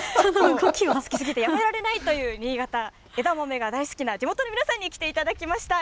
枝豆が好きすぎてやめられないという、新潟、枝豆が大好きな地元の皆さんに来ていただきました。